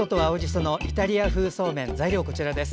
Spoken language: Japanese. そのイタリア風そうめん材料はこちらです。